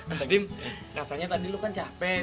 pak tim katanya tadi lo kan capek